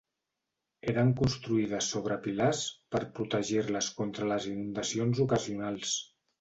Eren construïdes sobre pilars per protegir-les contra les inundacions ocasionals.